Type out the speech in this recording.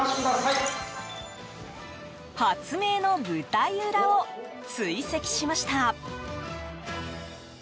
発明の舞台裏を追跡しました。